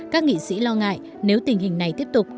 các nghị sĩ lo ngại nếu tình hình này tiếp tục